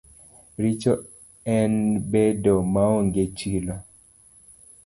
Richo en bedo maonge chilo.